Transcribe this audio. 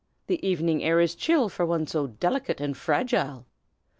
The evening air is chill for one so delicate and fragile."